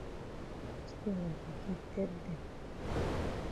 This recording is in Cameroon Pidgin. Stella be get debt dem.